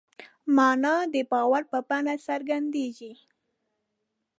مانا د باور په بڼه څرګندېږي.